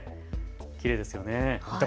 きれいですよね。